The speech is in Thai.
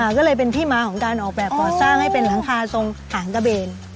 ก็เลยเป็นที่มาของการออกแบบก่อสร้างให้เป็นหลังคาทรงหางกระเบน